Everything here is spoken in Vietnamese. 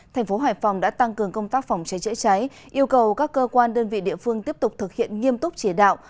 thành phố hải phòng đã tăng cường công tác phòng cháy chữa cháy yêu cầu các cơ quan đơn vị địa phương tiếp tục thực hiện nghiêm túc chỉ đạo